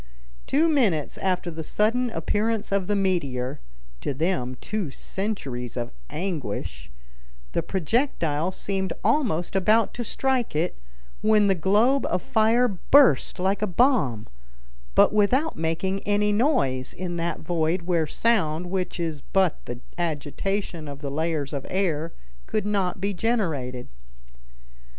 Two minutes after the sudden appearance of the meteor (to them two centuries of anguish) the projectile seemed almost about to strike it, when the globe of fire burst like a bomb, but without making any noise in that void where sound, which is but the agitation of the layers of air, could not be generated.